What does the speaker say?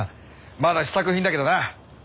まだ試作品だけどな。